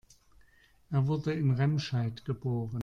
Er wurde in Remscheid geboren